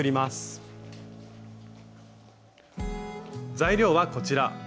材料はこちら。